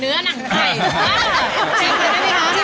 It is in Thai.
เนื้อนั่งไก่